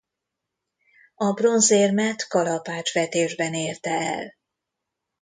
A bronzérmet kalapácsvetésben érte el.